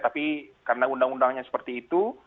tapi karena undang undangnya seperti itu